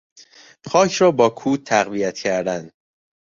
خاک را با کود تقویت کردن